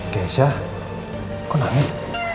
kece kok nangis